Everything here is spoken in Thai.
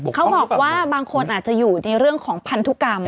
เขาบอกว่าบางคนอาจจะอยู่ในเรื่องของพันธุกรรม